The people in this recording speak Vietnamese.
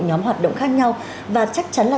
nhóm hoạt động khác nhau và chắc chắn là